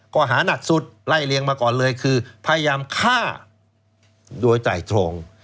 ก็หาหนักสุดไล่เลี้ยงมาก่อนเลยคือพยายามฆ่าโดยใจโถง